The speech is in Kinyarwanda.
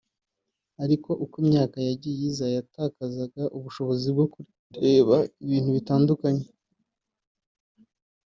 ariko uko imyaka yagiye iza yatakazaga ubushobozi bwo kureba ibintu bitandukanye